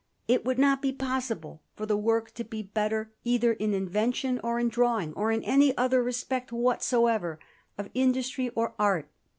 It would not be possible for the work to be better either in invention or in drawing, or in any other respect whatsoever of industry or art.